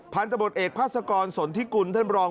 พันธบทเอกภาษากรสนทิกุลท่านรอง